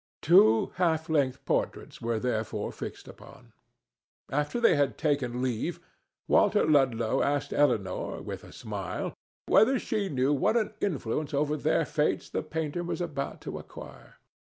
Two half length portraits were therefore fixed upon. After they had taken leave, Walter Ludlow asked Elinor, with a smile, whether she knew what an influence over their fates the painter was about to acquire.